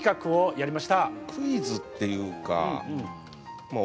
クイズっていうかまあ